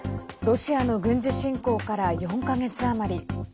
ロシアの軍事侵攻から４か月余り。